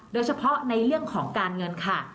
โดยเฉพาะในเรื่องของการเงินค่ะ